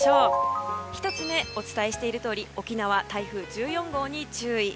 １つ目はお伝えしているとおり沖縄、台風１４号に注意。